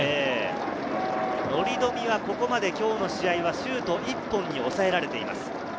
乗冨はここまで今日の試合はシュート１本に抑えられています